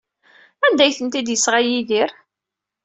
Anda ay tent-id-yesɣa Yidir?